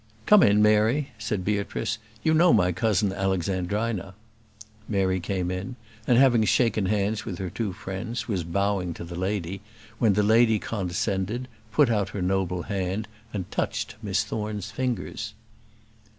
"Come in, Mary," said Beatrice, "you know my cousin Alexandrina." Mary came in, and having shaken hands with her two friends, was bowing to the lady, when the lady condescended, put out her noble hand, and touched Miss Thorne's fingers.